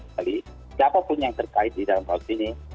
sekali siapapun yang terkait di dalam hal ini